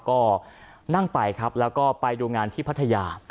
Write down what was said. ก็นั่งไปครับแล้วก็ไปดูงานที่พัทยา